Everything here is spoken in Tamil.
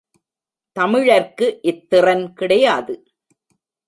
தமிழர்க்கு இத்திறன் கிடையாது.